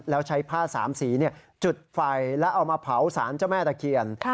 แล้วใช้ผ้าสามสีจุดไฟแล้วเอามาเผาสารเจ้าแม่ตะเคียน